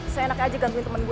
seenak aja gantuin temen gue